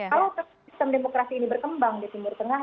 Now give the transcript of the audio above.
kalau sistem demokrasi ini berkembang di timur tengah